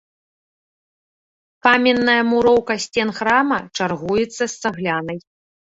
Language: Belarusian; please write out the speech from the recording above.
Каменная муроўка сцен храма чаргуецца з цаглянай.